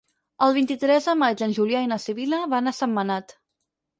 El vint-i-tres de maig en Julià i na Sibil·la van a Sentmenat.